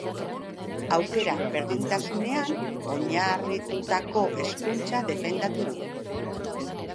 Aukera berdintasunean oinarritutako hezkuntza defendatu du.